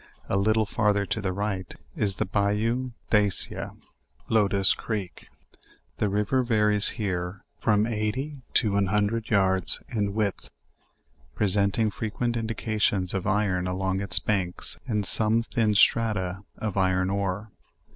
A little farther to the right is the Bayou de Aea cia (Locust creek.) The river varies here from eighty to an hundred yards in width, presenting frequent indications of iron along its banks and some thin strata of iron^ ore.